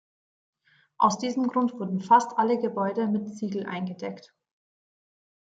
Aus diesem Grund wurden fast alle Gebäude mit Ziegel eingedeckt.